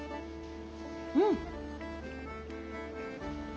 うん！